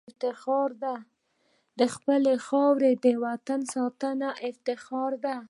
د خپلې خاورې او وطن ساتنه افتخار دی.